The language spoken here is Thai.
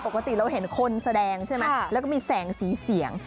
ปกติเราเห็นคนแสดงใช่ไหมแล้วก็มีแสงสีเสียง